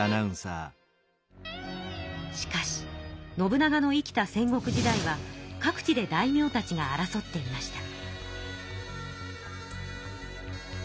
しかし信長の生きた戦国時代は各地で大名たちが争っていました。